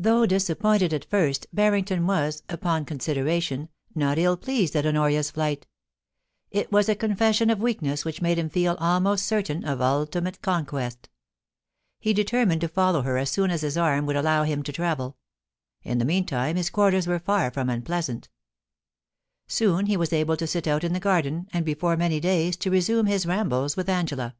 Though disappointed at first, Barrington was, upon con sideration, not ill pleased at Honoria's flight It was a confession of weakness which made him feel almost certain of ultimate conquest He determined to follow her as soon as his arm would allow him to travel In the meantime his quarters were far from unpleasant Soon he was able to sit out in the garden, and before many days to resume his rambles with Angela.